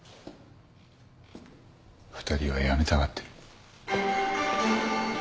二人は辞めたがってる。